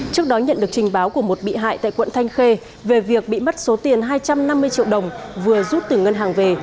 trước đó nhận được trình báo của một bị hại tại quận thanh khê về việc bị mất số tiền hai trăm năm mươi triệu đồng vừa rút từ ngân hàng về